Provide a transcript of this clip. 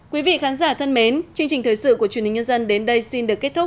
quý vị khán giả thân mến chương trình thời sự của truyền hình nhân dân đến đây xin được kết thúc